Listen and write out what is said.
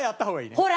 ほら！